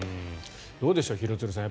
どうでしょう廣津留さん。